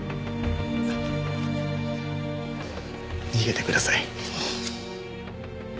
逃げてください。